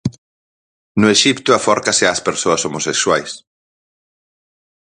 No Exipto afórcase ás persoas homosexuais.